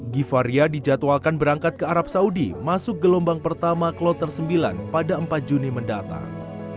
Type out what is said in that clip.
givaria dijadwalkan berangkat ke arab saudi masuk gelombang pertama kloter sembilan pada empat juni mendatang